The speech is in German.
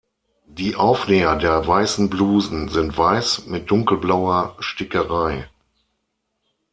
Die Aufnäher der weißen Blusen sind weiß mit dunkelblauer Stickerei.